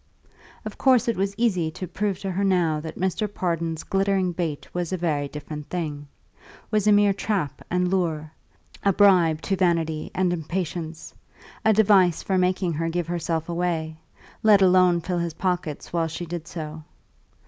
Of course it was easy to prove to her now that Mr. Pardon's glittering bait was a very different thing; was a mere trap and lure, a bribe to vanity and impatience, a device for making her give herself away let alone fill his pockets while she did so.